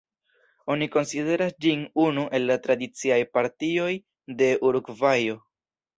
Oni konsideras ĝin unu el la tradiciaj partioj de Urugvajo.